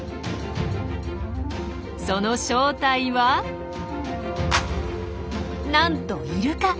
その正体はなんとイルカ！